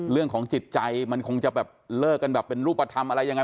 เรื่องของจิตใจมันคงจะแบบเลิกกันแบบเป็นรูปธรรมอะไรยังไง